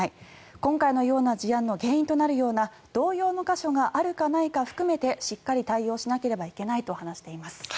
今回のような事案の原因となるような同様の箇所があるかないか含めてしっかり対応しなければいけないと話しています。